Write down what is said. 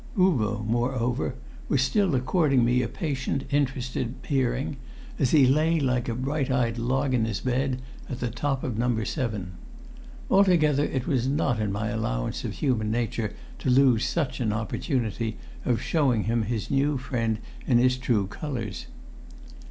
Uvo, moreover, was still according me a patient, interested hearing, as he lay like a bright eyed log in his bed at the top of No. 7. Altogether it was not in my allowance of human nature to lose such an opportunity of showing him his new friend in his true colours.